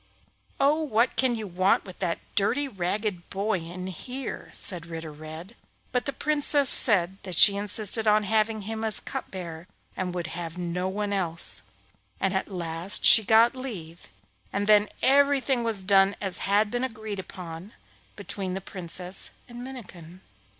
'Oh, what can you want with that dirty, ragged boy, in here?' said Ritter Red, but the Princess said that she insisted on having him as cup bearer and would have no one else; and at last she got leave, and then everything was done as had been agreed on between the Princess and Minnikin.